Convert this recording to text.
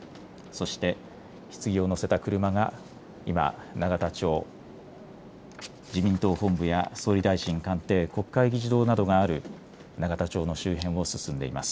そしてひつぎを乗せた車が今、永田町、自民党本部や総理大臣官邸、国会議事堂などがある永田町の周辺を進んでいます。